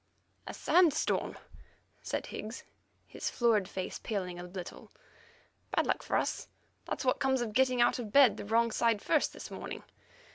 "A sand storm," said Higgs, his florid face paling a little. "Bad luck for us! That's what comes of getting out of bed the wrong side first this morning.